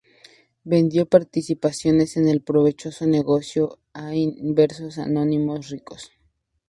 Vendió participaciones en el provechoso negocio a inversores anónimos ricos.